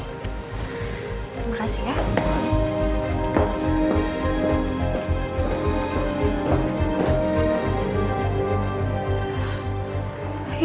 terima kasih ya